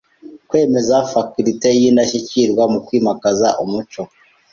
Kwemeza faculty y’indashyikirwa mu kwimakaza umuco